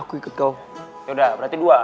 aku udah berpengalaman dalam dunia usable